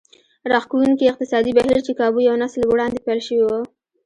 راښکوونکي اقتصادي بهير چې کابو يو نسل وړاندې پيل شوی و.